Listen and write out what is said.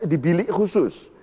di bilik khusus